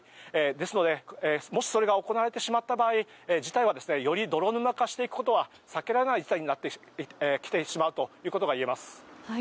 ですのでもしそれが行われてしまった場合事態はより泥沼化していくことは避けられなくなってくるということが言えると思います。